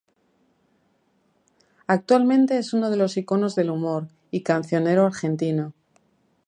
Actualmente es uno de los iconos del humor y cancionero argentino.